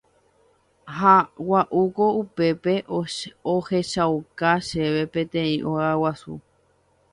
Ha gua'úko upépe ohechauka chéve peteĩ óga guasu.